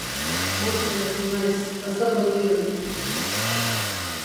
Motz geratu naiz, azal lodi hori!